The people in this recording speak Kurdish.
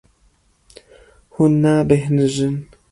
Hûn nabêhnijin.